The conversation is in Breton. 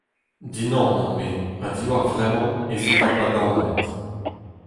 Dinamm on-me, ha diwar vremañ ez in d’ar Baganed.